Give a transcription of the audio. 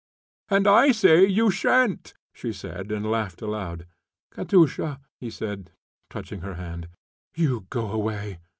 "And I say you sha'n't," she said, and laughed aloud. "Katusha," he said, touching her hand. "You go away.